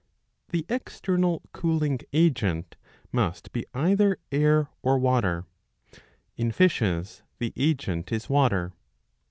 ^ The external cooling agent must be 669 a. iii. 6. 75 either air or water. In fishes the agent is water.